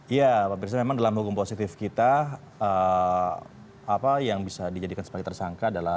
ya pemirsa memang dalam hukum positif kita yang bisa dijadikan sebagai tersangka adalah